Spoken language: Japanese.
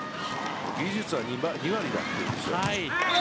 技術は２割だというんです。